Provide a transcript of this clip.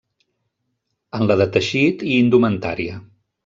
En la de teixit i indumentària.